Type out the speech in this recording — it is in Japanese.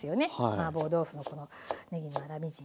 マーボー豆腐のこのねぎの粗みじんは。